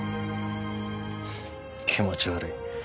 気持ち悪い。